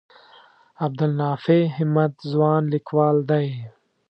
عبدالنافع همت ځوان لیکوال دی.